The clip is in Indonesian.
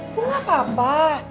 ibu gak apa apa